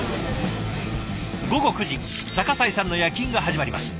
午後９時逆井さんの夜勤が始まります。